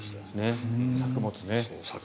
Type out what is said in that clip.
作物ね。